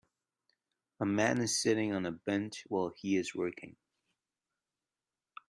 A man is sitting on a bench while he is working.